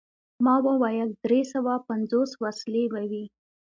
ما وویل: دری سوه پنځوس وسلې به وي.